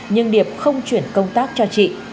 nhưng điệp không chuyển công tác cho chị